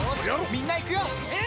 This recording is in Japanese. みんないくよ！